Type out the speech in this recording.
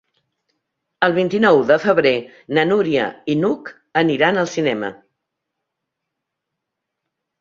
El vint-i-nou de febrer na Núria i n'Hug aniran al cinema.